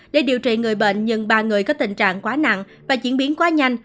để điều trị người bệnh nhưng ba người có tình trạng quá nặng và diễn biến quá nhanh